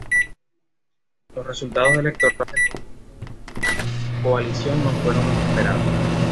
Los resultados electorales del conjunto de la coalición no fueron los esperados.